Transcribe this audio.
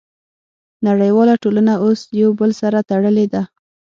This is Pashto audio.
نړیواله ټولنه اوس یو بل سره تړلې ده